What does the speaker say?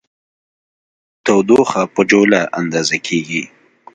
تودوخه په جولا اندازه کېږي.